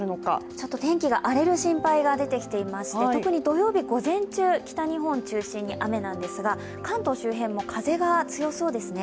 ちょっと天気が荒れる心配が出てきまして特に土曜日午前中、北日本中心に雨なんですが、関東周辺も風が強そうですね。